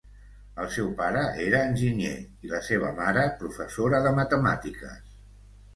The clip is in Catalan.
El seu pare era enginyer i la seva mare, professora de matemàtiques.